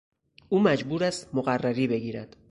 او مجبور است مقرری بگیرد.